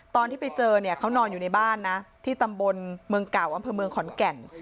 ตอนที่ไปเจอเนี่ยเขานอนอยู่ในบ้านนะที่ตำบลเมืองเก่าอำเภอเมืองขอนแก่น